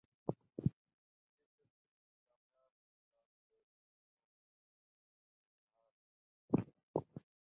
پی S L three کے کامیاب انعقاد پر پوری قوم خوشی سے نہال